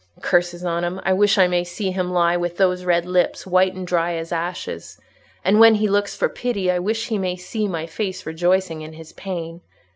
Curses on him! I wish I may see him lie with those red lips white and dry as ashes, and when he looks for pity I wish he may see my face rejoicing in his pain.